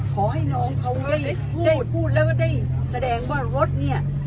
ขอให้น้องเขาได้พูดได้พูดแล้วก็ได้แสดงว่ารถเนี่ย